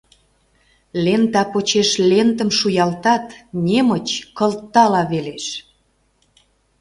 Лента почеш лентым шуялтат, немыч кылтала велеш.